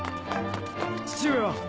父上は？